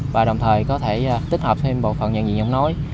và đồng thời có thể tích hợp thêm bộ phận nhận dị dọng nói